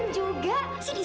akhirnya kamu datang juga